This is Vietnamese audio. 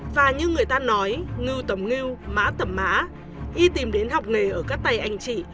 và như người ta nói ngưu tầm ngưu má tầm má y tìm đến học nghề ở các tay anh chị